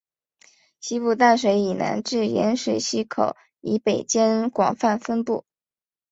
西部淡水以南至盐水溪口以北间广泛分布。